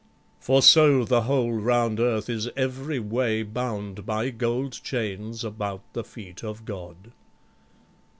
For so the whole round earth is every way Bound by gold chains about the feet of God.